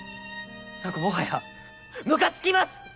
なんかもはやむかつきます！